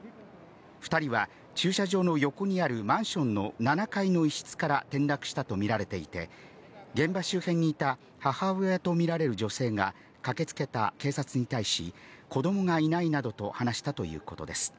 ２人は駐車場の横にあるマンションの７階の一室から転落したと見られていて、現場周辺にいた母親と見られる女性が、駆けつけた警察に対し、子どもがいないなどと話したということです。